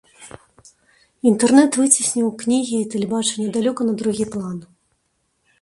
Інтэрнэт выцесніў кнігі і тэлебачанне далёка на другі план.